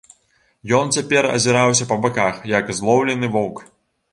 Ён цяпер азіраўся па баках, як злоўлены воўк.